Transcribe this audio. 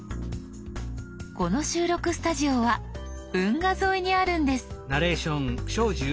この収録スタジオは運河沿いにあるんです。